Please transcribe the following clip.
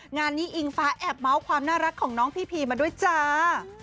งานนี้อิงฟ้าแอบเมาส์ความน่ารักของน้องพี่พีมาด้วยจ้า